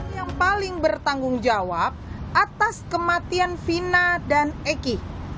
yang paling bertanggung jawab atas kematian vina dan eki